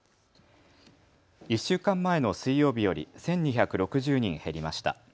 １週間前の水曜日より１２６０人減りました。